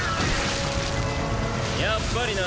やっぱりな。